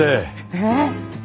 えっ？